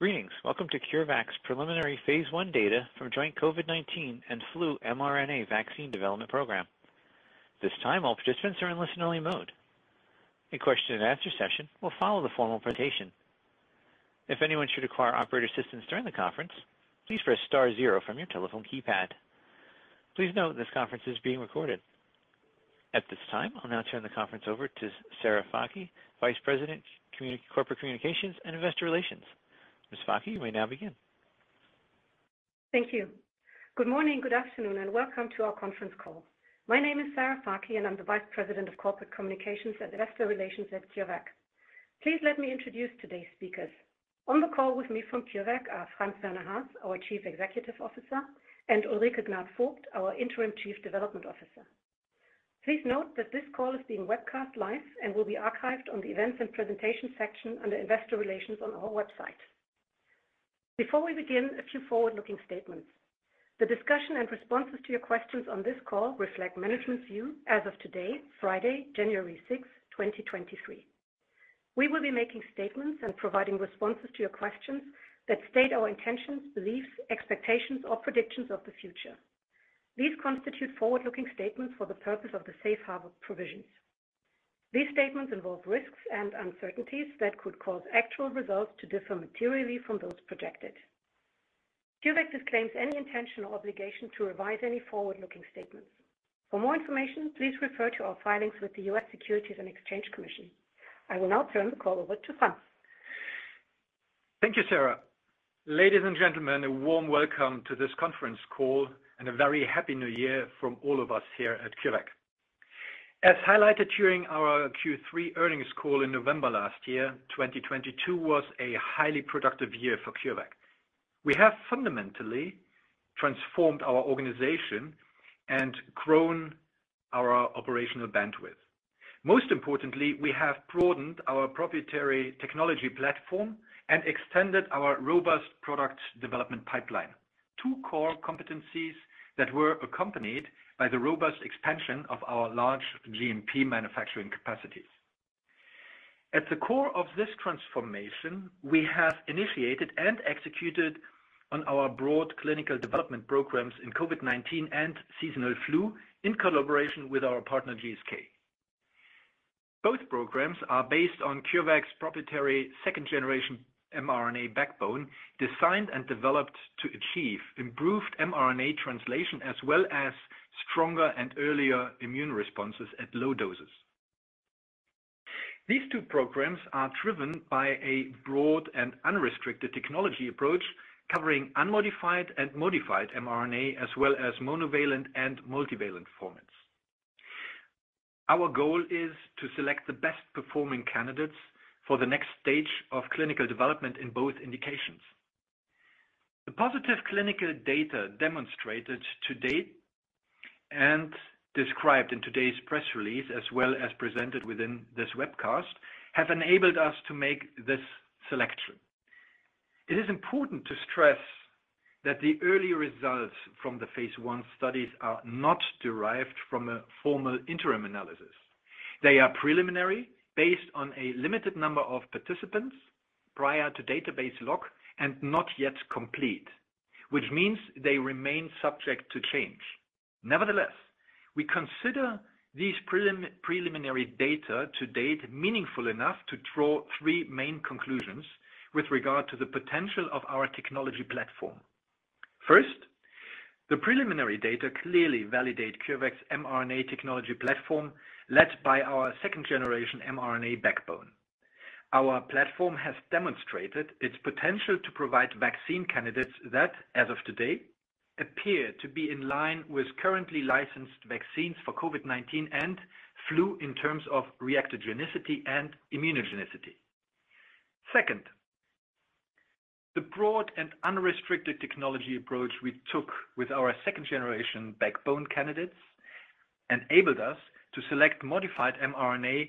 Greetings. Welcome to CureVac's Preliminary Phase I Data From Joint COVID-19 and flu mRNA Vaccine Development Program. This time, all participants are in listen-only mode. A question and answer session will follow the formal presentation. If anyone should require operator assistance during the conference, please press star zero from your telephone keypad. Please note this conference is being recorded. At this time, I'll now turn the conference over to Sarah Fakih, Vice President, Corporate Communications and Investor Relations. Ms. Fakih, you may now begin. Thank you. Good morning, good afternoon, and welcome to our Conference Call. My name is Sarah Fakih, and I'm the Vice President of Corporate Communications at Investor Relations at CureVac. Please let me introduce today's speakers. On the call with me from CureVac are Franz-Werner Haas, our Chief Executive Officer, and Ulrike Gnad-Vogt, our Interim Chief Development Officer. Please note that this call is being webcast live and will be archived on the Events and Presentation section under Investor Relations on our website. Before we begin, a few forward-looking statements. The discussion and responses to your questions on this call reflect management's view as of today, Friday, January 6th, 2023. We will be making statements and providing responses to your questions that state our intentions, beliefs, expectations, or predictions of the future. These constitute forward-looking statements for the purpose of the safe harbor provisions. These statements involve risks and uncertainties that could cause actual results to differ materially from those projected. CureVac disclaims any intention or obligation to revise any forward-looking statements. For more information, please refer to our filings with the U.S. Securities and Exchange Commission. I will now turn the call over to Franz. Thank you, Sarah. Ladies and gentlemen, a warm welcome to this conference call and a very happy new year from all of us here at CureVac. As highlighted during our Q3 Earnings Call in November last year, 2022 was a highly productive year for CureVac. We have fundamentally transformed our organization and grown our operational bandwidth. Most importantly, we have broadened our proprietary technology platform and extended our robust product development pipeline. Two core competencies that were accompanied by the robust expansion of our large GMP manufacturing capacities. At the core of this transformation, we have initiated and executed on our broad clinical development programs in COVID-19 and seasonal flu in collaboration with our partner, GSK. Both programs are based on CureVac's proprietary second-generation mRNA backbone, designed and developed to achieve improved mRNA translation, as well as stronger and earlier immune responses at low doses. These two programs are driven by a broad and unrestricted technology approach covering unmodified and modified mRNA, as well as monovalent and multivalent formats. Our goal is to select the best performing candidates for the next stage of clinical development in both indications. The positive clinical data demonstrated to date and described in today's press release, as well as presented within this webcast, have enabled us to make this selection. It is important to stress that the early results from the phase I studies are not derived from a formal interim analysis. They are preliminary based on a limited number of participants prior to database lock and not yet complete, which means they remain subject to change. Nevertheless, we consider these preliminary data to date meaningful enough to draw three main conclusions with regard to the potential of our technology platform. First, the preliminary data clearly validate CureVac's mRNA technology platform, led by our second-generation mRNA backbone. Our platform has demonstrated its potential to provide vaccine candidates that, as of today, appear to be in line with currently licensed vaccines for COVID-19 and flu in terms of reactogenicity and immunogenicity. Second, the broad and unrestricted technology approach we took with our second-generation backbone candidates enabled us to select modified mRNA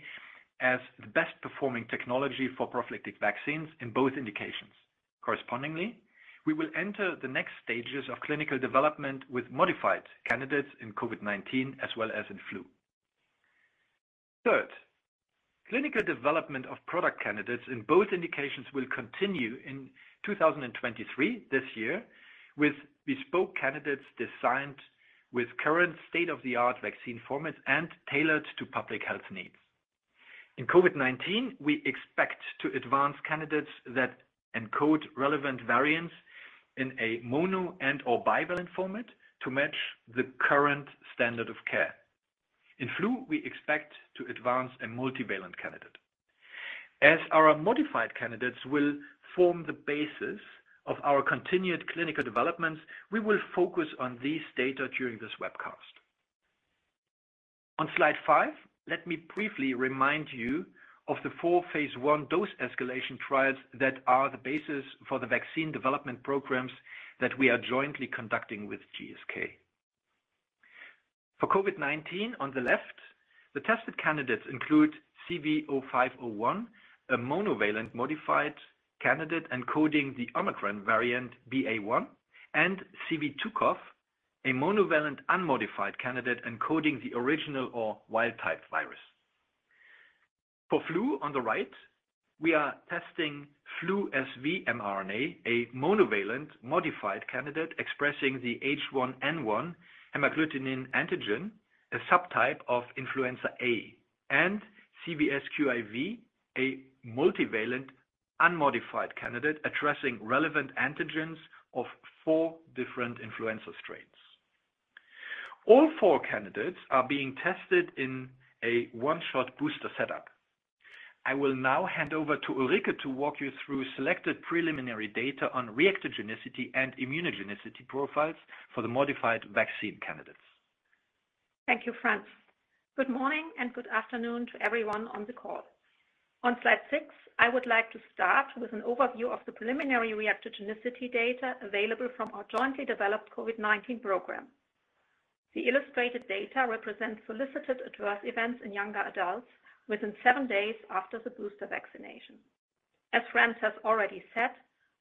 as the best performing technology for prophylactic vaccines in both indications. Correspondingly, we will enter the next stages of clinical development with modified candidates in COVID-19 as well as in flu. Third, clinical development of product candidates in both indications will continue in 2023, this year, with bespoke candidates designed with current state-of-the-art vaccine formats and tailored to public health needs. In COVID-19, we expect to advance candidates that encode relevant variants in a mono and/or bivalent format to match the current standard of care. In flu, we expect to advance a multivalent candidate. As our modified candidates will form the basis of our continued clinical developments, we will focus on these data during this webcast. On slide 5, let me briefly remind you of the four phase I dose escalation trials that are the basis for the vaccine development programs that we are jointly conducting with GSK. For COVID-19 on the left, the tested candidates include CV0501, a monovalent modified candidate encoding the Omicron variant BA.1, and CV2CoV, a monovalent unmodified candidate encoding the original or wildtype virus. For flu on the right, we are testing flu SV mRNA, a monovalent modified candidate expressing the H1N1 hemagglutinin antigen, a subtype of influenza A and CVSQIV, a multivalent unmodified candidate addressing relevant antigens of four different influenza strains. All four candidates are being tested in a one-shot booster setup. I will now hand over to Ulrike to walk you through selected preliminary data on reactogenicity and immunogenicity profiles for the modified vaccine candidates. Thank you, Franz. Good morning and good afternoon to everyone on the call. On slide 6, I would like to start with an overview of the preliminary reactogenicity data available from our jointly developed COVID-19 program. The illustrated data represents solicited adverse events in younger adults within seven days after the booster vaccination. As Franz has already said,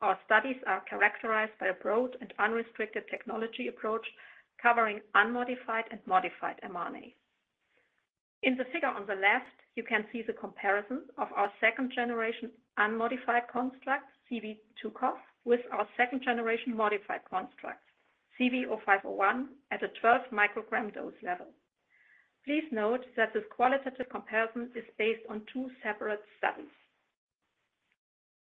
our studies are characterized by a broad and unrestricted technology approach covering unmodified and modified mRNAs. In the figure on the left, you can see the comparison of our second generation unmodified construct, CV2CoV, with our second generation modified construct, CV0501, at a 12 microgram dose level. Please note that this qualitative comparison is based on two separate studies.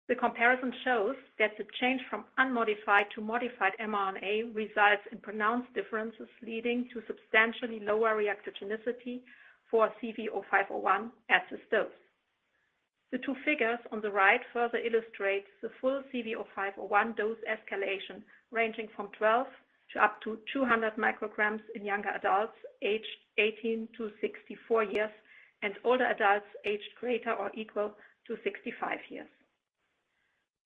The comparison shows that the change from unmodified to modified mRNA results in pronounced differences, leading to substantially lower reactogenicity for CV0501 at this dose. The two figures on the right further illustrate the full CV0501 dose escalation, ranging from 12 to up to 200 micrograms in younger adults aged 18 to 64 years and older adults aged greater or equal to 65 years.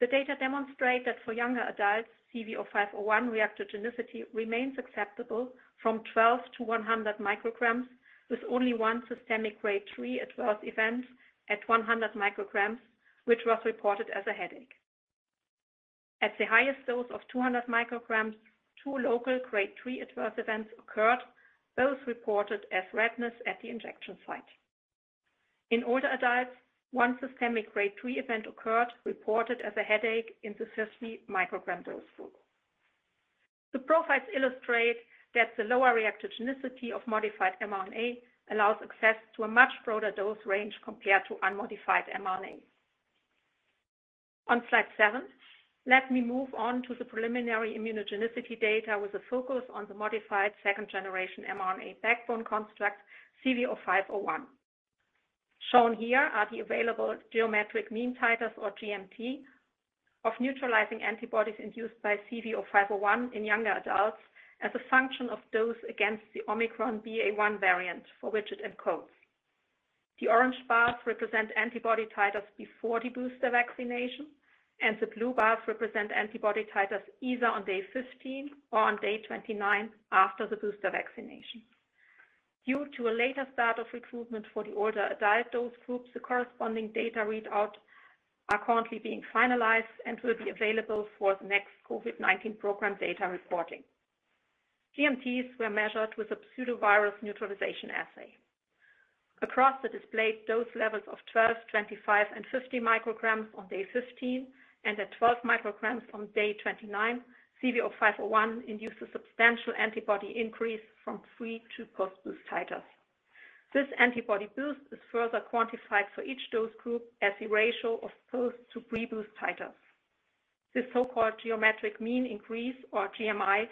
The data demonstrate that for younger adults, CV0501 reactogenicity remains acceptable from 12 to 100 micrograms, with only one systemic Grade 3 adverse event at 100 micrograms, which was reported as a headache. At the highest dose of 200 micrograms, two local Grade 3 adverse events occurred, both reported as redness at the injection site. In older adults, one systemic Grade 3 event occurred, reported as a headache in the 50 microgram dose group. The profiles illustrate that the lower reactogenicity of modified mRNA allows access to a much broader dose range compared to unmodified mRNA. On slide 7, let me move on to the preliminary immunogenicity data with a focus on the modified second-generation mRNA backbone construct, CV0501. Shown here are the available geometric mean titers, or GMT, of neutralizing antibodies induced by CV0501 in younger adults as a function of dose against the Omicron BA.1 variant for which it encodes. The orange bars represent antibody titers before the booster vaccination, and the blue bars represent antibody titers either on day 15 or on day 29 after the booster vaccination. Due to a later start of recruitment for the older adult dose groups, the corresponding data readout are currently being finalized and will be available for the next COVID-19 program data reporting. GMTs were measured with a pseudovirus neutralization assay. Across the displayed dose levels of 12, 25, and 50 micrograms on day 15 and at 12 micrograms on day 29, CV0501 induced a substantial antibody increase from pre- to post-boost titers. This antibody boost is further quantified for each dose group as the ratio of post to pre-boost titers. This so-called geometric mean increase, or GMI,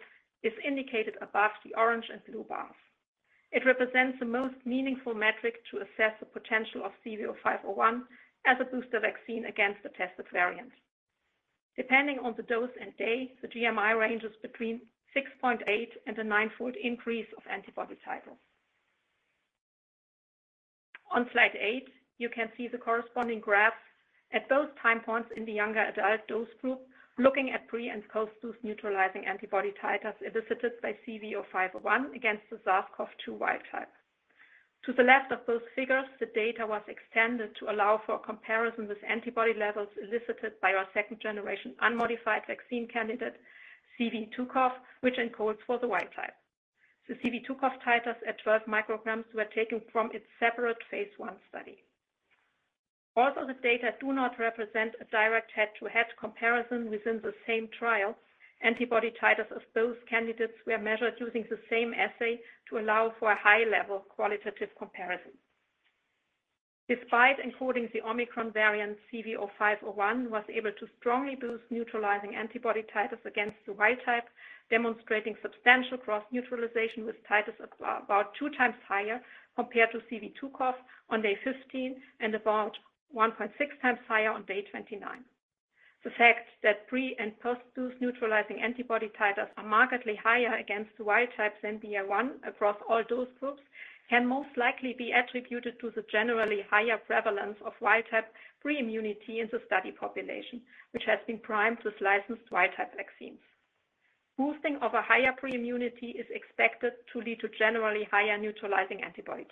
is indicated above the orange and blue bars. It represents the most meaningful metric to assess the potential of CV0501 as a booster vaccine against the tested variant. Depending on the dose and date, the GMI ranges between 6.8 and a 9-fold increase of antibody titers. On slide 8, you can see the corresponding graphs at both time points in the younger adult dose group, looking at pre- and post-dose neutralizing antibody titers elicited by CV0501 against the SARS-CoV-2 wildtype. To the left of both figures, the data was extended to allow for a comparison with antibody levels elicited by our second-generation unmodified vaccine candidate, CV2CoV, which encodes for the wildtype. The CV2CoV titers at 12 micrograms were taken from its separate phase I study. Although the data do not represent a direct head-to-head comparison within the same trial, antibody titers of both candidates were measured using the same assay to allow for a high-level qualitative comparison. Despite encoding the Omicron variant, CV0501 was able to strongly boost neutralizing antibody titers against the wildtype, demonstrating substantial cross-neutralization with titers about two times higher compared to CV2CoV on day 15 and about 1.6 times higher on day 29. The fact that pre- and post-dose neutralizing antibody titers are markedly higher against the wildtype than BA.1 across all dose groups can most likely be attributed to the generally higher prevalence of wildtype pre-immunity in the study population, which has been primed with licensed wildtype vaccines. Boosting of a higher pre-immunity is expected to lead to generally higher neutralizing antibody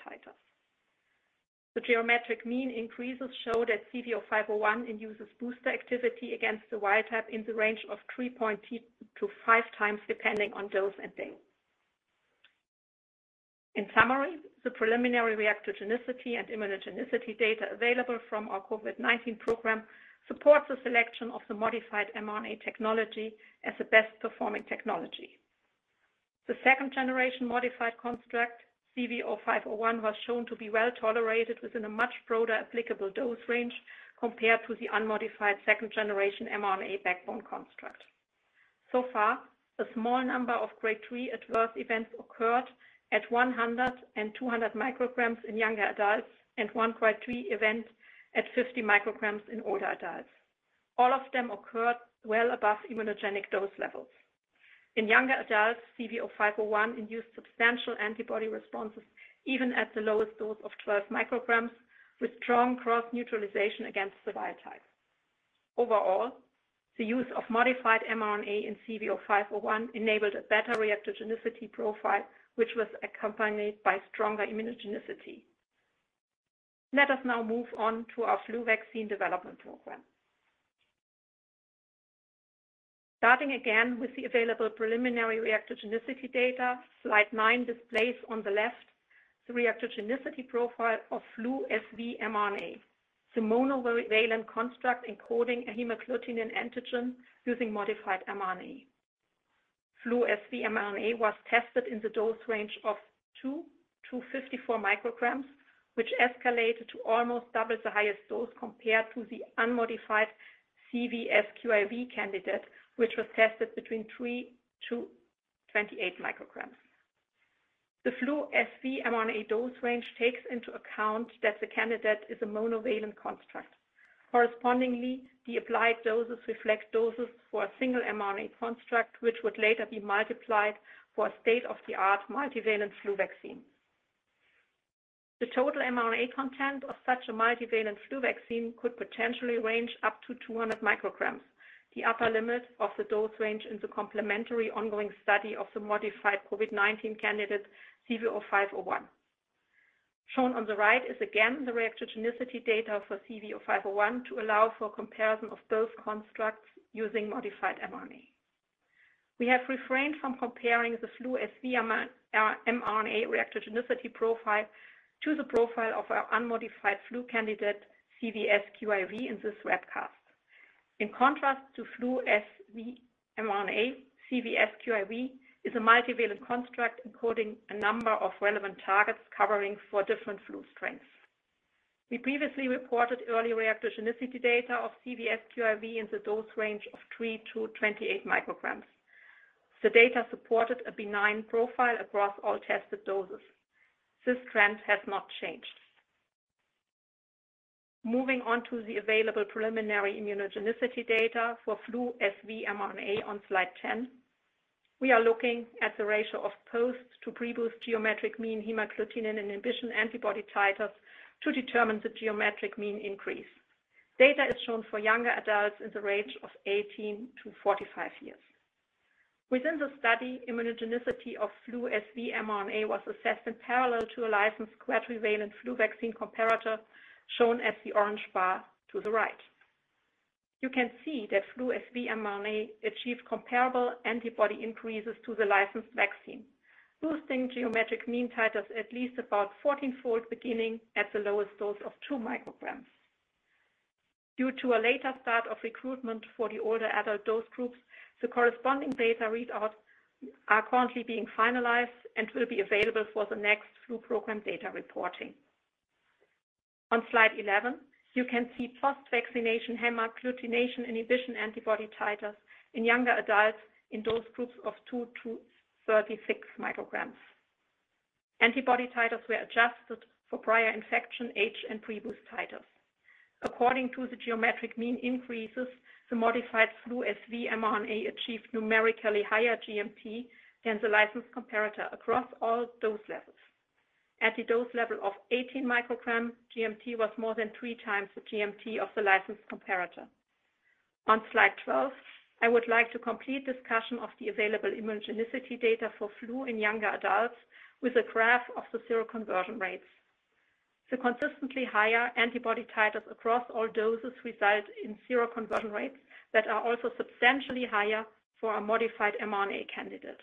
titers. The geometric mean increases show that CV0501 induces booster activity against the wildtype in the range of 3.6 to 5 times, depending on dose and day. In summary, the preliminary reactogenicity and immunogenicity data available from our COVID-19 program supports the selection of the modified mRNA technology as the best performing technology. The second generation modified construct, CV0501, was shown to be well-tolerated within a much broader applicable dose range compared to the unmodified second generation mRNA backbone construct. So far, a small number of Grade 3 adverse events occurred at 100 and 200 micrograms in younger adults and one Grade 3 event at 50 micrograms in older adults. All of them occurred well above immunogenic dose levels. In younger adults, CV0501 induced substantial antibody responses even at the lowest dose of 12 micrograms, with strong cross-neutralization against the wildtype. Overall, the use of modified mRNA in CV0501 enabled a better reactogenicity profile, which was accompanied by stronger immunogenicity. Let us now move on to our flu vaccine development program. Starting again with the available preliminary reactogenicity data, slide 9 displays on the left the reactogenicity profile of Flu SV mRNA, the monovalent construct encoding a hemagglutinin antigen using modified mRNA. Flu SV mRNA was tested in the dose range of 2-54 micrograms, which escalated to almost double the highest dose compared to the unmodified CVSQIV candidate, which was tested between 3-28 micrograms. The Flu SV mRNA dose range takes into account that the candidate is a monovalent construct. Correspondingly, the applied doses reflect doses for a single mRNA construct, which would later be multiplied for a state-of-the-art multivalent flu vaccine. The total mRNA content of such a multivalent flu vaccine could potentially range up to 200 micrograms, the upper limit of the dose range in the complementary ongoing study of the modified COVID-19 candidate, CV0501. Shown on the right is again the reactogenicity data for CV0501 to allow for comparison of both constructs using modified mRNA. We have refrained from comparing the Flu SV mRNA reactogenicity profile to the profile of our unmodified flu candidate, CVSQIV, in this webcast. In contrast to Flu SV mRNA, CVSQIV is a multivalent construct encoding a number of relevant targets covering four different flu strains. We previously reported early reactogenicity data of CVSQIV in the dose range of 3-28 micrograms. The data supported a benign profile across all tested doses. This trend has not changed. Moving on to the available preliminary immunogenicity data for Flu SV mRNA on slide 10, we are looking at the ratio of post to pre-boost geometric mean hemagglutination inhibition antibody titers to determine the geometric mean increase. Data is shown for younger adults in the range of 18 to 45 years. Within the study, immunogenicity of Flu SV mRNA was assessed in parallel to a licensed quadrivalent flu vaccine comparator, shown as the orange bar to the right. You can see that Flu SV mRNA achieved comparable antibody increases to the licensed vaccine, boosting geometric mean titers at least about 14-fold, beginning at the lowest dose of two micrograms. Due to a later start of recruitment for the older adult dose groups, the corresponding data readouts are currently being finalized and will be available for the next flu program data reporting. On slide 11, you can see post-vaccination hemagglutination inhibition antibody titers in younger adults in dose groups of 2-36 micrograms. Antibody titers were adjusted for prior infection, age, and pre-boost titers. According to the geometric mean increases, the modified Flu SV mRNA achieved numerically higher GMT than the licensed comparator across all dose levels. At the dose level of 18 micrograms, GMT was more than three times the GMT of the licensed comparator. On slide 12, I would like to complete discussion of the available immunogenicity data for flu in younger adults with a graph of the seroconversion rates. The consistently higher antibody titers across all doses result in seroconversion rates that are also substantially higher for our modified mRNA candidate.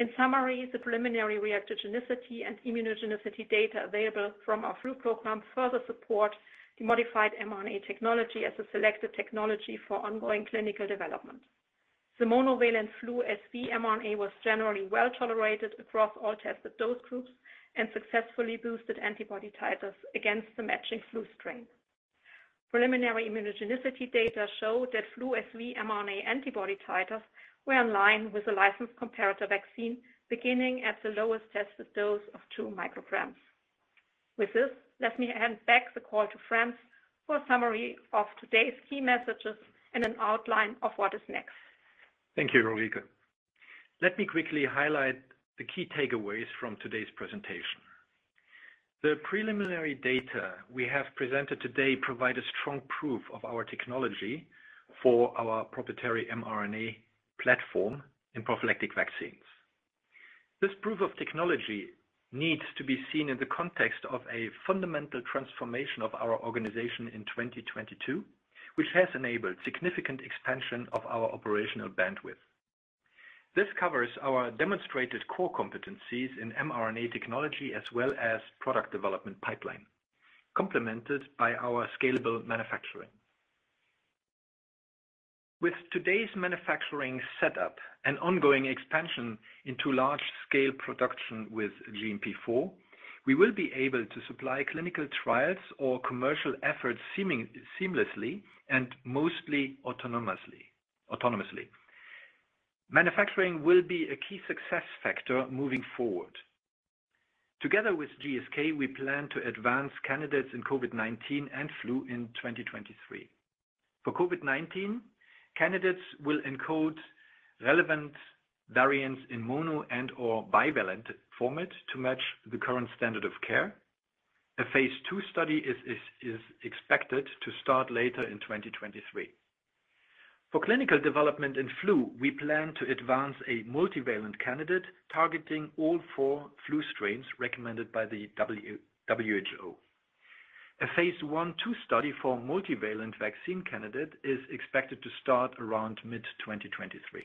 In summary, the preliminary reactogenicity and immunogenicity data available from our flu program further support the modified mRNA technology as a selected technology for ongoing clinical development. The monovalent Flu SV mRNA was generally well-tolerated across all tested dose groups and successfully boosted antibody titers against the matching flu strain. Preliminary immunogenicity data showed that Flu SV mRNA antibody titers were in line with the licensed comparator vaccine, beginning at the lowest tested dose of two micrograms. With this, let me hand back the call to Franz for a summary of today's key messages and an outline of what is next. Thank you, Ulrike. Let me quickly highlight the key takeaways from today's presentation. The preliminary data we have presented today provide a strong proof of our technology for our proprietary mRNA platform in prophylactic vaccines. This proof of technology needs to be seen in the context of a fundamental transformation of our organization in 2022 which has enabled significant expansion of our operational bandwidth. This covers our demonstrated core competencies in mRNA technology as well as product development pipeline, complemented by our scalable manufacturing. With today's manufacturing setup and ongoing expansion into large-scale production with GMP IV, we will be able to supply clinical trials for commercial efforts seamlessly and mostly autonomously. Manufacturing will be a key success factor moving forward. Together with GSK, we plan to advance candidates in COVID-19 and flu in 2023. For COVID-19, candidates will encode relevant variants in mono and/or bivalent format to match the current standard of care. A phase II study is expected to start later in 2023. For clinical development in flu, we plan to advance a multivalent candidate targeting all four flu strains recommended by the WHO. A phase I/II study for multivalent vaccine candidate is expected to start around mid-2023.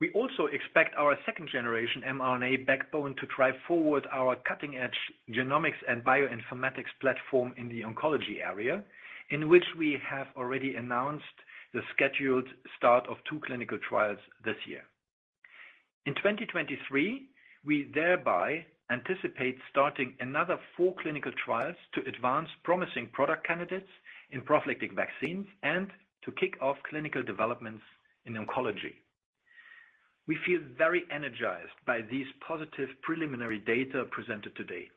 We also expect our second generation mRNA backbone to drive forward our cutting-edge genomics and bioinformatics platform in the oncology area, in which we have already announced the scheduled start of two clinical trials this year. In 2023, we thereby anticipate starting another four clinical trials to advance promising product candidates in prophylactic vaccines and to kick off clinical developments in oncology. We feel very energized by these positive preliminary data presented today.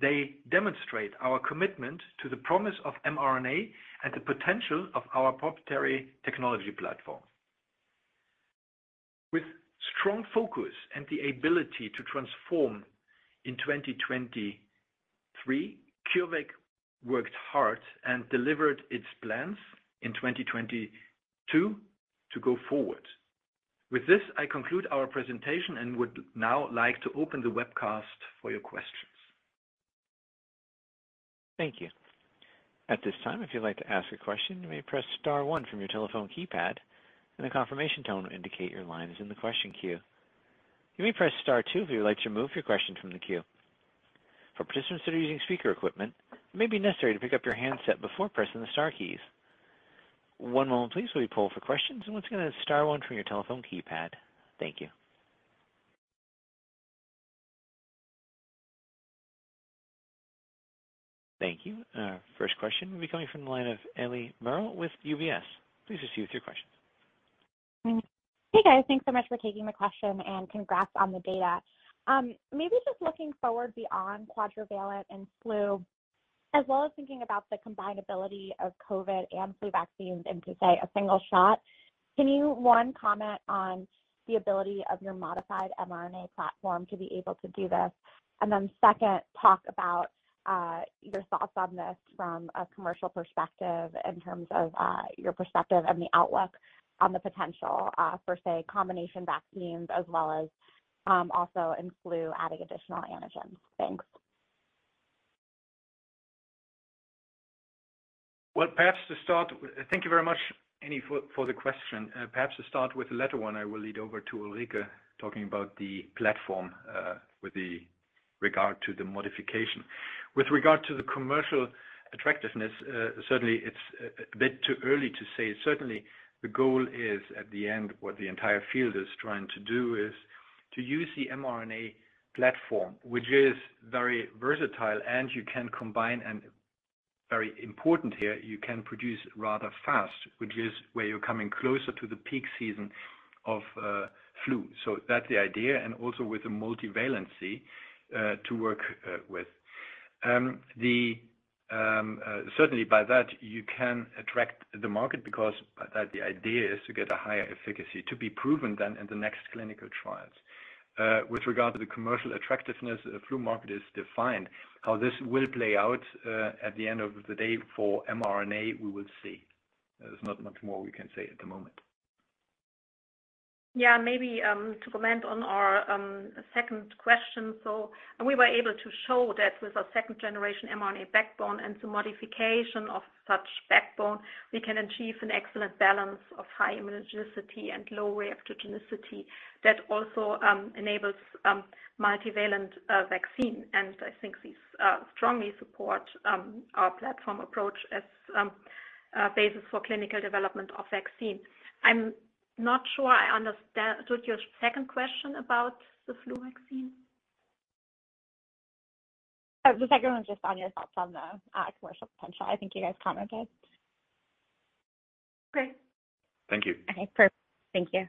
They demonstrate our commitment to the promise of mRNA and the potential of our proprietary technology platform. With strong focus and the ability to transform in 2023, CureVac worked hard and delivered its plans in 2022 to go forward. With this, I conclude our presentation and would now like to open the webcast for your questions. Thank you. At this time, if you'd like to ask a question, you may press star one from your telephone keypad, and a confirmation tone will indicate your line is in the question queue. You may press star two if you would like to remove your question from the queue. For participants that are using speaker equipment, it may be necessary to pick up your handset before pressing the star keys. One moment please while we poll for questions, and once again, star one from your telephone keypad. Thank you. Thank you. First question will be coming from the line of Ellie Murrell with UBS. Please proceed with your question. Hey, guys. Thanks so much for taking the question and congrats on the data. Maybe just looking forward beyond quadrivalent and flu, as well as thinking about the combinability of COVID and flu vaccines into, say, a single shot. Can you, one, comment on the ability of your modified mRNA platform to be able to do this? Second, talk about your thoughts on this from a commercial perspective in terms of your perspective on the outlook on the potential for, say, combination vaccines as well as also in flu, adding additional antigens. Thanks. Perhaps to start. Thank you very much, Ellie, for the question. Perhaps to start with the latter one, I will lead over to Ulrike, talking about the platform with the regard to the modification. With regard to the commercial attractiveness, certainly it's a bit too early to say. Certainly the goal is, at the end, what the entire field is trying to do is to use the mRNA platform, which is very versatile and you can combine and, very important here, you can produce rather fast, which is where you're coming closer to the peak season of flu. That's the idea. Also with the multivalency to work with. Certainly by that you can attract the market because the idea is to get a higher efficacy to be proven then in the next clinical trials. With regard to the commercial attractiveness, the flu market is defined. How this will play out, at the end of the day for mRNA, we will see. There's not much more we can say at the moment. Yeah. Maybe, to comment on our second question. We were able to show that with our second-generation mRNA backbone and some modification of such backbone, we can achieve an excellent balance of high immunogenicity and low reactogenicity that also enables multivalent vaccine. I think these strongly support our platform approach as basis for clinical development of vaccine. I'm not sure I understand. What's your second question about the flu vaccine? Oh, the second one's just on your thoughts on the commercial potential. I think you guys commented. Okay. Thank you. Okay, perfect. Thank you.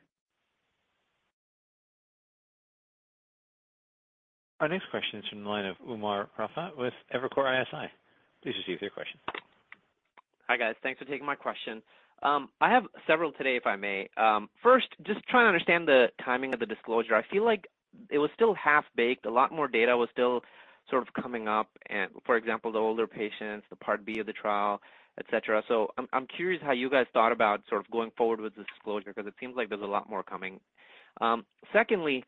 Our next question is from the line of Umer Raffat with Evercore ISI. Please proceed with your question. Hi, guys. Thanks for taking my question. I have several today, if I may. First, just trying to understand the timing of the disclosure. I feel like it was still half-baked. A lot more data was still sort of coming up. For example, the older patients, the part B of the trial, et cetera. I'm curious how you guys thought about sort of going forward with this disclosure because it seems like there's a lot more coming. Secondly,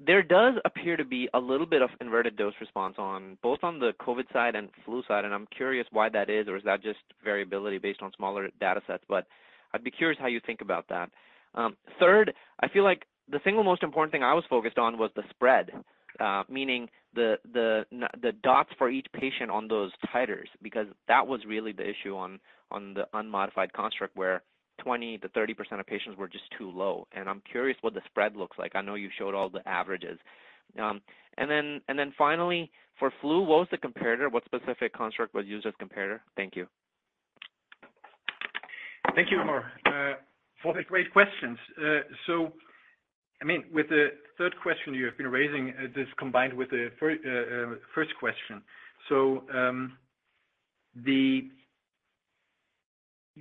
there does appear to be a little bit of inverted dose response on both on the COVID side and flu side, and I'm curious why that is, or is that just variability based on smaller data sets? I'd be curious how you think about that. Third, I feel like the single most important thing I was focused on was the spread, meaning the dots for each patient on those titers, because that was really the issue on the unmodified construct, where 20%-30% of patients were just too low. I'm curious what the spread looks like. I know you showed all the averages. Then finally, for flu, what was the comparator? What specific construct was used as comparator? Thank you. Thank you, Umer, for the great questions. I mean, with the third question you have been raising, this combined with the first question.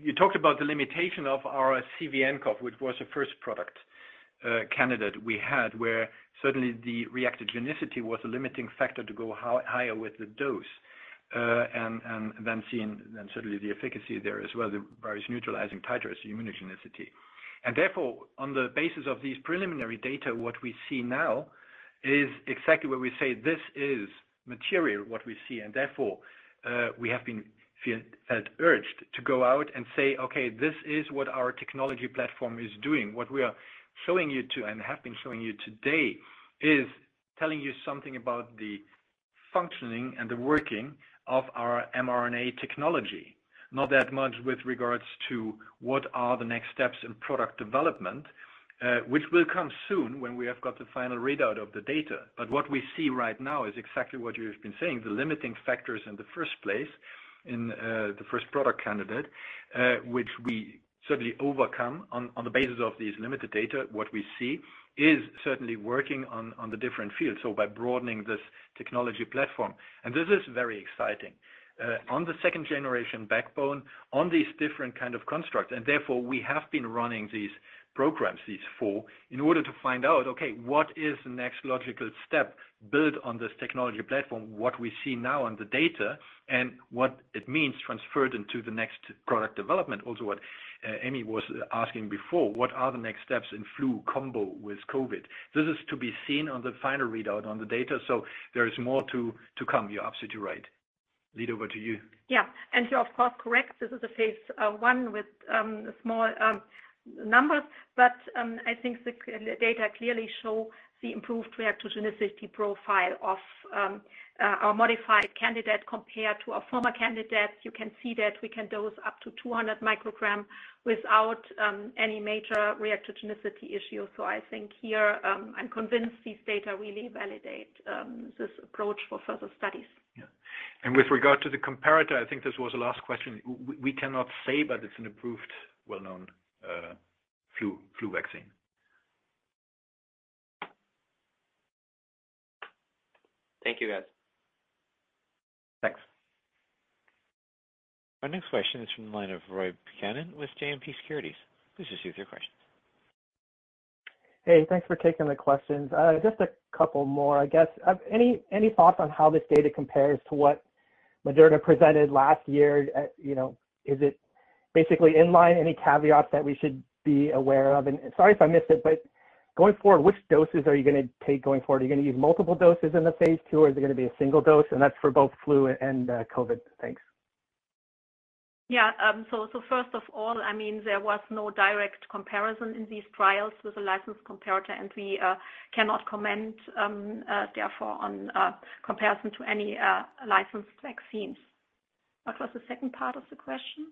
You talked about the limitation of our CVnCoV, which was the first product candidate we had, where certainly the reactogenicity was a limiting factor to go higher with the dose, and then seeing then certainly the efficacy there as well, the various neutralizing titers immunogenicity. Therefore, on the basis of these preliminary data, what we see now is exactly where we say this is material, what we see, and therefore, we have been urged to go out and say, "Okay, this is what our technology platform is doing." What we are showing you today is telling you something about the functioning and the working of our mRNA technology. Not that much with regards to what are the next steps in product development, which will come soon when we have got the final readout of the data. What we see right now is exactly what you've been saying, the limiting factors in the first place, in the first product candidate, which we certainly overcome on the basis of these limited data. What we see is certainly working on the different fields, so by broadening this technology platform. This is very exciting. on the second generation backbone, on these different kind of constructs, and therefore we have been running these programs, these four, in order to find out, okay, what is the next logical step build on this technology platform, what we see now on the data, and what it means transferred into the next product development. Also what, Ellie was asking before, what are the next steps in flu combo with COVID? This is to be seen on the final readout on the data. There is more to come. You're absolutely right. Ulrike, over to you. Yeah. You're of course, correct. This is a phase I with small numbers. I think the data clearly show the improved reactogenicity profile of our modified candidate compared to our former candidate. You can see that we can dose up to 200 microgram without any major reactogenicity issue. I think here, I'm convinced these data really validate this approach for further studies. Yeah. And with regard to the comparator, I think this was the last question. We cannot say, but it's an approved well-known, flu vaccine. Thank you, guys. Thanks. Our next question is from the line of Roy Buchanan with JMP Securities. Please proceed with your question. Hey, thanks for taking the questions. Just a couple more, I guess. Any thoughts on how this data compares to what Moderna presented last year? You know, is it basically in line, any caveats that we should be aware of? Sorry if I missed it, but going forward, which doses are you going to take going forward? Are you going to use multiple doses in the phase II, or is it going to be a single dose? That's for both flu and COVID. Thanks. Yeah. First of all, I mean, there was no direct comparison in these trials with a licensed comparator, and we cannot comment, therefore on comparison to any licensed vaccines. What was the second part of the question?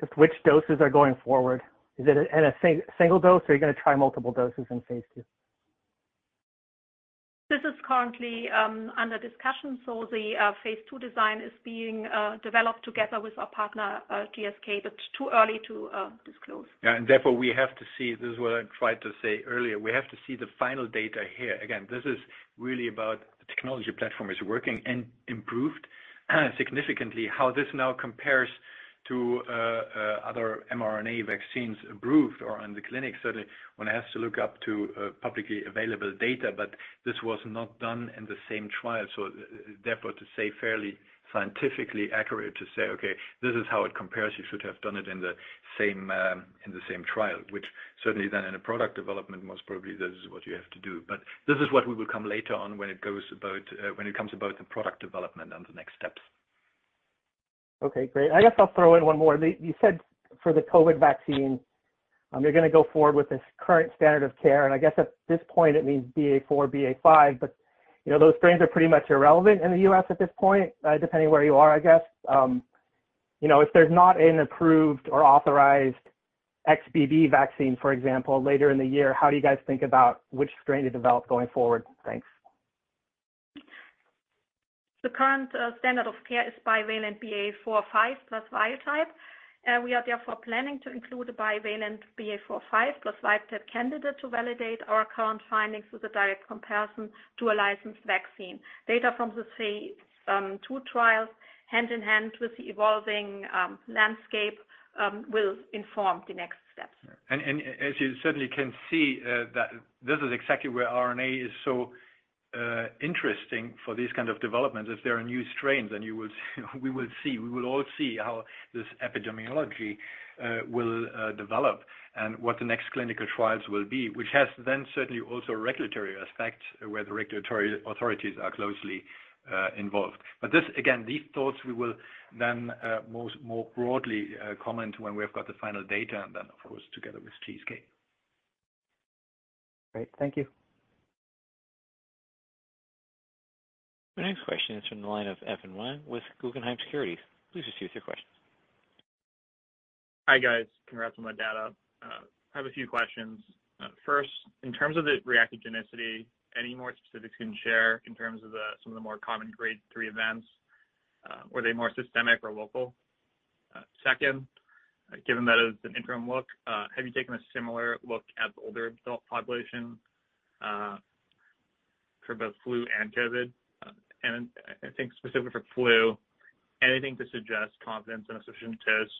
Just which doses are going forward? Is it a single dose, or are you going to try multiple doses in phase II? This is currently under discussion. The phase II design is being developed together with our partner, GSK, but too early to disclose. Therefore, we have to see, this is what I tried to say earlier, we have to see the final data here. This is really about the technology platform is working and improved significantly. How this now compares to other mRNA vaccines approved or on the clinic. Certainly, one has to look up to publicly available data, this was not done in the same trial. Therefore, to say fairly scientifically accurate to say, "Okay, this is how it compares, you should have done it in the same in the same trial," which certainly then in a product development, most probably this is what you have to do. This is what we will come later on when it goes about when it comes about the product development and the next steps. Okay, great. I guess I'll throw in one more. You said for the COVID vaccine, you're going to go forward with this current standard of care, and I guess at this point it means BA.4, BA.5, but, you know, those strains are pretty much irrelevant in the U.S. at this point, depending where you are, I guess. You know, if there's not an approved or authorized XBB vaccine, for example, later in the year, how do you guys think about which strain to develop going forward? Thanks. The current standard of care is bivalent BA.4, BA.5 plus wildtype. We are therefore planning to include a bivalent BA.4, BA.5 plus wildtype candidate to validate our current findings with a direct comparison to a licensed vaccine. Data from the phase II trials hand in hand with the evolving landscape will inform the next steps. As you certainly can see, that this is exactly where RNA is so interesting for these kind of developments, if there are new strains, then we will see, we will all see how this epidemiology will develop and what the next clinical trials will be, which has then certainly also regulatory aspect where the regulatory authorities are closely involved. This again, these thoughts we will then most more broadly comment when we have got the final data and then of course, together with GSK. Great. Thank you. The next question is from the line of Evan Wang with Guggenheim Securities. Please proceed with your question. Hi, guys. Congrats on that data. I have a few questions. First, in terms of the reactogenicity, any more specifics you can share in terms of the, some of the more common Grade 3 events, were they more systemic or local? Second, given that it was an interim look, have you taken a similar look at the older adult population, for both flu and COVID? I think specific for flu, anything to suggest confidence in a sufficient dose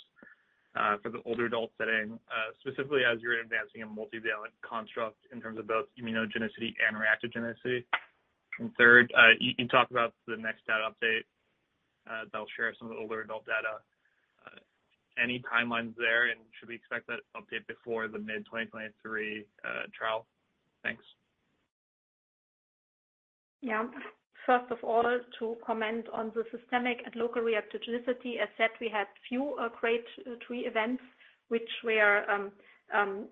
for the older adult setting, specifically as you're advancing a multivalent construct in terms of both immunogenicity and reactogenicity? Third, you can talk about the next data update, that'll share some of the older adult data. Any timelines there, and should we expect that update before the mid 2023 trial? Thanks. Yeah. First of all, to comment on the systemic and local reactogenicity. As said, we had few Grade 3 events, which were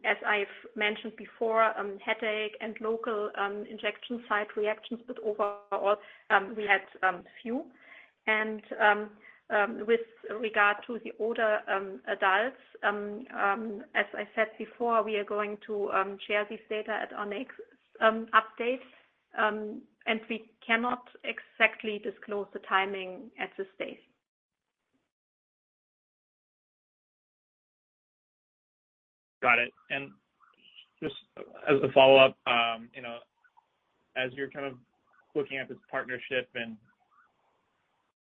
as I've mentioned before, headache and local injection site reactions, but overall, we had few. With regard to the older adults, as I said before, we are going to share this data at our next update. We cannot exactly disclose the timing at this stage. Got it. Just as a follow-up, you know, as you're kind of looking at this partnership and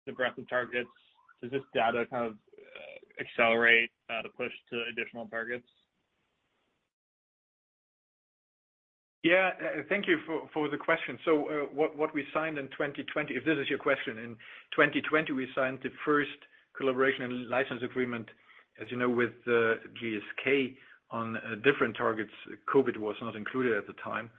the breadth of targets, does this data kind of accelerate the push to additional targets? Yeah. Thank you for the question. What we signed in 2020, if this is your question, in 2020, we signed the first collaboration and license agreement, as you know, with GSK on different targets. COVID was not included at the time.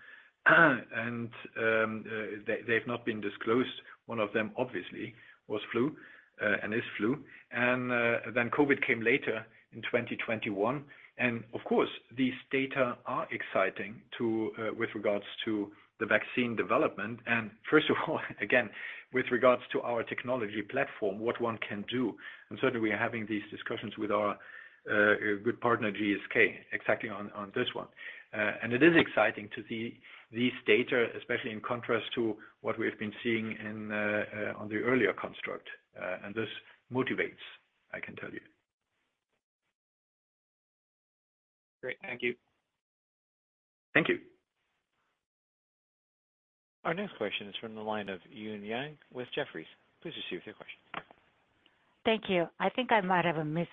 They've not been disclosed. One of them obviously was flu and is flu. COVID came later in 2021. Of course, these data are exciting with regards to the vaccine development. First of all, again, with regards to our technology platform, what one can do, and certainly we are having these discussions with our partner GSK exactly on this one. It is exciting to see these data, especially in contrast to what we've been seeing on the earlier construct. And this motivates, I can tell you. Great. Thank you. Thank you. Our next question is from the line of Eun Yang with Jefferies. Please proceed with your question. Thank you. I think I might have missed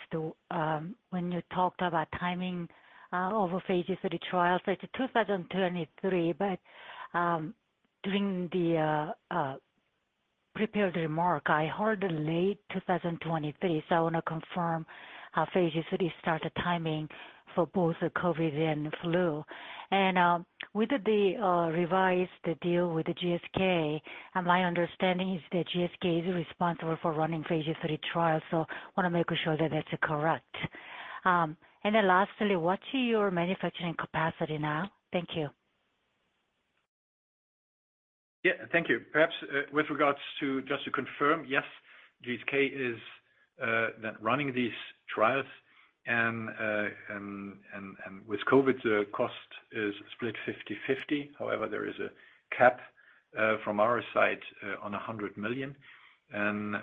when you talked about timing over phases of the trial. It's a 2023, but during the prepared remark, I heard late 2023. I want to confirm how phase III started timing for both the COVID and flu. With the revised deal with the GSK, my understanding is that GSK is responsible for running phase III trials, want to make sure that that's correct. Lastly, what's your manufacturing capacity now? Thank you. Yeah. Thank you. Perhaps, with regards to just to confirm, yes, GSK is running these trials and with COVID, the cost is split 50/50. However, there is a cap from our side on $100 million and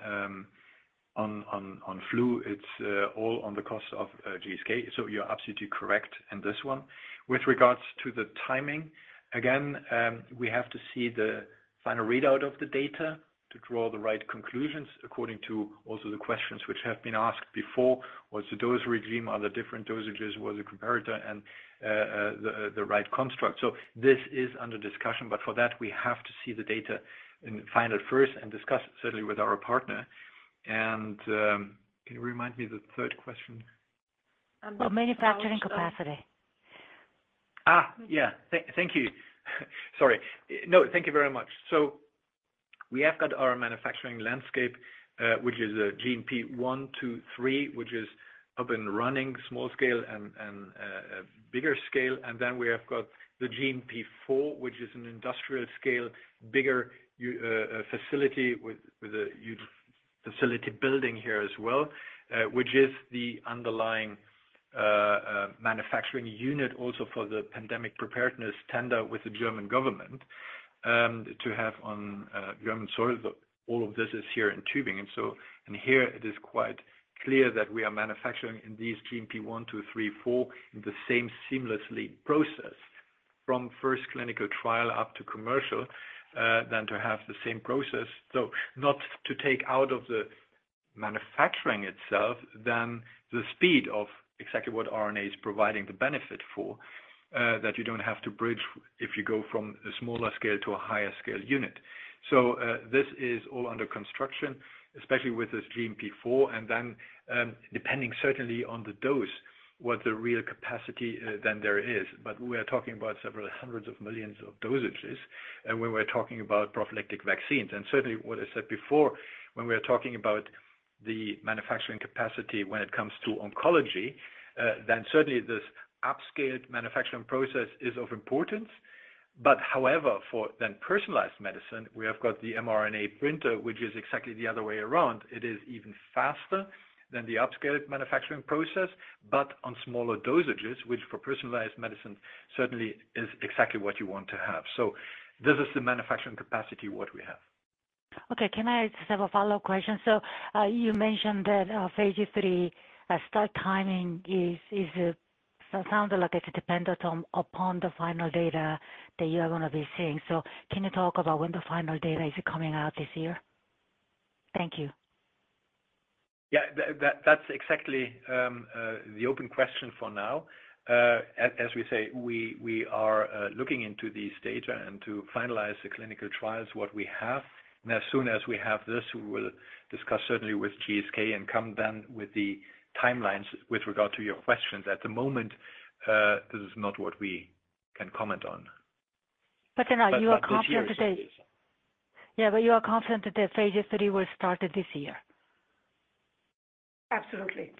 on flu, it's all on the cost of GSK. So you're absolutely correct in this one. With regards to the timing, again, we have to see the final readout of the data to draw the right conclusions according to also the questions which have been asked before. Was the dose regime, are the different dosages, was the comparator and the right construct. So this is under discussion, but for that we have to see the data in final first and discuss certainly with our partner. Can you remind me the third question? Well, manufacturing capacity. Yeah. Thank you. Sorry. Thank you very much. We have got our manufacturing landscape, which is GMP I, II, III, which is up and running small scale and bigger scale. We have got the GMP IV, which is an industrial scale, bigger facility with a huge facility building here as well, which is the underlying manufacturing unit also for the pandemic preparedness tender with the German Government, to have on German soil. All of this is here in Tübingen. Here it is quite clear that we are manufacturing in these GMP I, II, III, IV in the same seamlessly process from first clinical trial up to commercial than to have the same process. Not to take out of the manufacturing itself, then the speed of exactly what RNA is providing the benefit for, that you don't have to bridge if you go from a smaller scale to a higher scale unit. This is all under construction, especially with this GMP IV, and then, depending certainly on the dose, what the real capacity then there is. We are talking about several hundreds of millions of dosages, and when we're talking about prophylactic vaccines. Certainly what I said before, when we are talking about the manufacturing capacity when it comes to oncology, then certainly this upscaled manufacturing process is of importance. However, for then personalized medicine, we have got the mRNA printer, which is exactly the other way around. It is even faster than the upscaled manufacturing process, but on smaller dosages, which for personalized medicine certainly is exactly what you want to have. This is the manufacturing capacity, what we have. Okay. Can I just have a follow-up question? You mentioned that, phase III, start timing is sounded like it's dependent on upon the final data that you're gonna be seeing. Can you talk about when the final data is coming out this year? Thank you. Yeah. That's exactly the open question for now. As we say, we are looking into these data and to finalize the clinical trials, what we have. As soon as we have this, we will discuss certainly with GSK and come then with the timelines with regard to your questions. At the moment, this is not what we can comment on. Are you confident to say? This year, yes. Yeah, you are confident that the phase III will start at this year? Absolutely.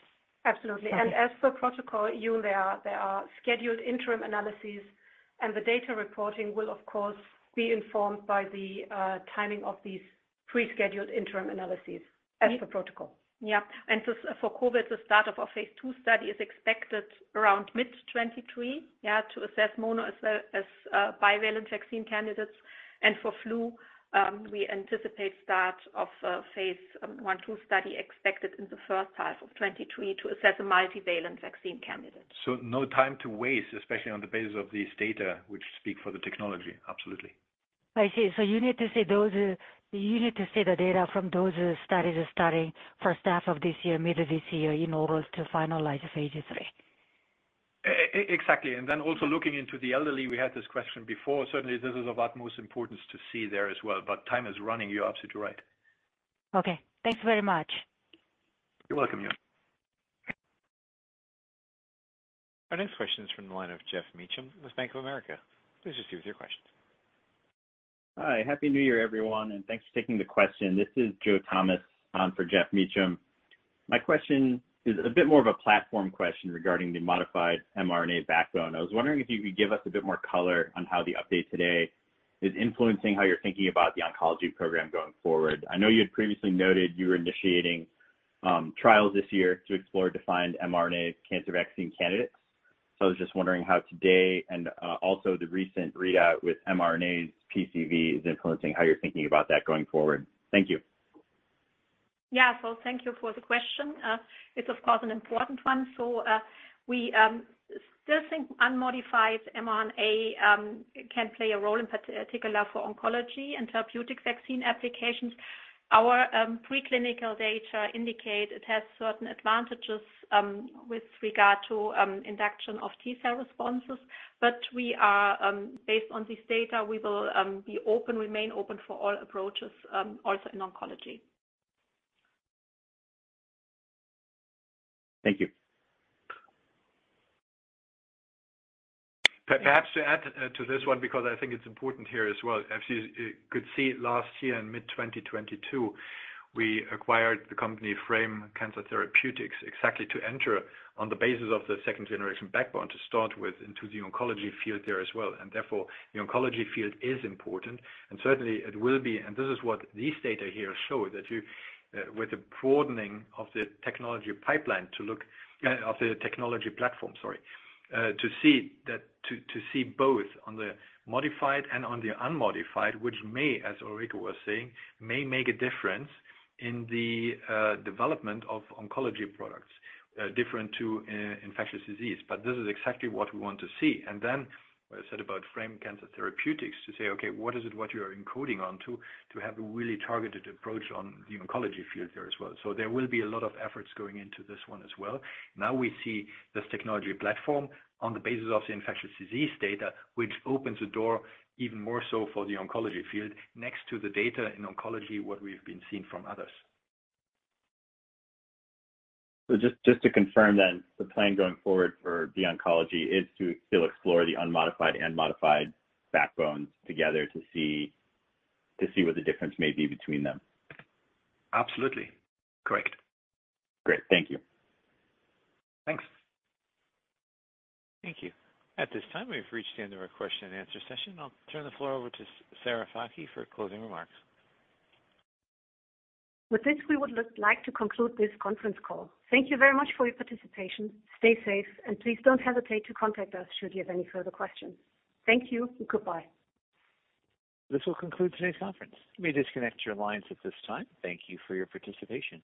Absolutely. Okay. As per protocol, Eun, there are scheduled interim analyses, and the data reporting will of course be informed by the timing of these prescheduled interim analyses as per protocol. Yeah. For COVID, the start of our phase II study is expected around mid-2023, yeah, to assess mono as bivalent vaccine candidates. For flu, we anticipate start of phase I/II study expected in the first half of 2023 to assess a multivalent vaccine candidate. No time to waste, especially on the basis of these data which speak for the technology, absolutely. I see. You need to see the data from those studies starting first half of this year, mid of this year, in order to finalize phase III. Exactly. Then also looking into the elderly, we had this question before. Certainly this is of utmost importance to see there as well, but time is running, you're absolutely right. Okay. Thanks very much. You're welcome, Eun. Our next question is from the line of Geoff Meacham with Bank of America. Please just give us your question. Hi. Happy New Year, everyone, and thanks for taking the question. This is Joe Thomas for Geoff Meacham. My question is a bit more of a platform question regarding the modified mRNA backbone. I was wondering if you could give us a bit more color on how the update today is influencing how you're thinking about the oncology program going forward. I know you had previously noted you were initiating trials this year to explore defined mRNA cancer vaccine candidates, I was just wondering how today and also the recent readout with mRNA's PCV is influencing how you're thinking about that going forward. Thank you. Yeah. Thank you for the question. It's of course an important one. We still think unmodified mRNA can play a role in particular for oncology and therapeutic vaccine applications. Our preclinical data indicate it has certain advantages with regard to induction of T-cell responses. We are based on this data, we will be open, remain open for all approaches, also in oncology. Thank you. Perhaps to add to this one because I think it's important here as well. As you could see last year in mid-2022, we acquired the company Frame Cancer Therapeutics exactly to enter on the basis of the second-generation backbone to start with into the oncology field there as well. Therefore, the oncology field is important and certainly it will be. This is what these data here show that you, with the broadening of the technology pipeline to look, of the technology platform, sorry, to see that, to see both on the modified and on the unmodified, which may, as Ulrike was saying, may make a difference in the development of oncology products, different to infectious disease. This is exactly what we want to see. What I said about Frame Cancer Therapeutics to say, okay, what is it what you're encoding onto to have a really targeted approach on the oncology field there as well. There will be a lot of efforts going into this one as well. We see this technology platform on the basis of the infectious disease data, which opens the door even more so for the oncology field next to the data in oncology, what we've been seeing from others. Just to confirm then, the plan going forward for the oncology is to still explore the unmodified and modified backbones together to see what the difference may be between them? Absolutely. Correct. Great. Thank you. Thanks. Thank you. At this time, we've reached the end of our question and answer session. I'll turn the floor over to Sarah Fakih for closing remarks. With this, we would like to conclude this conference call. Thank you very much for your participation. Stay safe, please don't hesitate to contact us should you have any further questions. Thank you and goodbye. This will conclude today's conference. You may disconnect your lines at this time. Thank you for your participation.